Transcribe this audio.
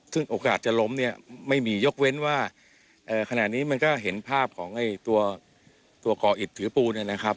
ซึ่งโอกาสจะล้มเนี่ยไม่มียกเว้นว่าขณะนี้มันก็เห็นภาพของตัวก่ออิดถือปูเนี่ยนะครับ